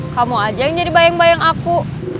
kamu aja yang jadi bayang bayang aku